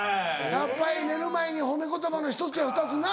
やっぱり寝る前に褒め言葉の１つや２つな。